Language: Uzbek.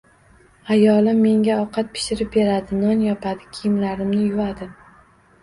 Ayolim menga ovqat pishirib beradi, non yopadi, kiyimlarimni yuvadi.